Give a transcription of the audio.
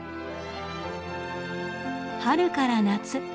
春から夏。